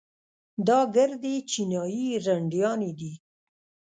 دا ګردې چينايي رنډيانې دي.